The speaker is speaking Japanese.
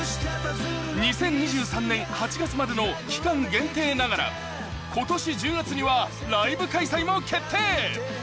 ２０２３年８月までの期間限定ながら今年１０月にはライブ開催も決定。